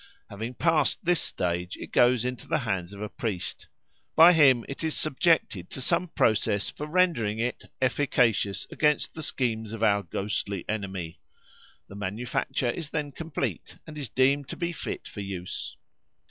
Having passed this stage it goes into the hands of a priest. By him it is subjected to some process for rendering it efficacious against the schemes of our ghostly enemy. The manufacture is then complete, and is deemed to be fit for use.